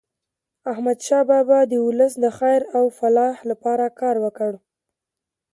احمدشاه بابا د ولس د خیر او فلاح لپاره کار وکړ.